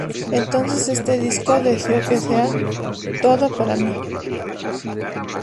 Entonces este disco deseo que sea todo "Para Mí".